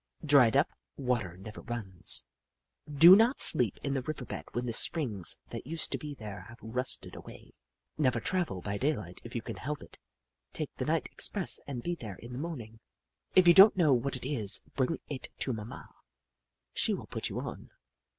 " Dried up water never runs. " Do not sleep in the river bed when the springs that used to be there have rusted away. " Never travel by daylight if you can help it. Take the night express and be there in the morning. Hoop La 157 " If you don't know what it is, bring it to Mamma. She will put you on.